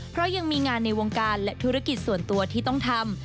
เพราะยังมีงานในวงการและธุรกิจส่วนตัวที่ต้องทำ